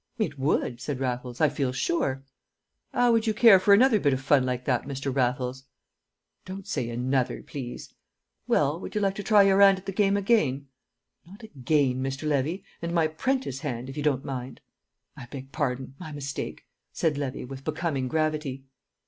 "It would," said Raffles, "I feel sure." "'Ow would you care for another bit o' fun like it, Mr. Raffles?" "Don't say 'another,' please." "Well, would you like to try your 'and at the game again?" "Not 'again,' Mr. Levy; and my 'prentice' hand, if you don't mind." "I beg pardon; my mistake," said Levy, with becoming gravity.